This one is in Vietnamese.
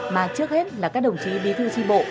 mà trước hết là các đồng chí bí thư tri bộ